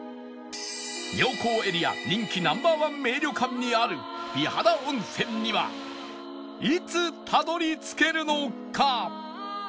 妙高エリア人気 Ｎｏ．１ 名旅館にある美肌温泉にはいつたどり着けるのか？